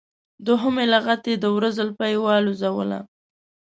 دوهمې لغتې د وره زولفی والوزوله.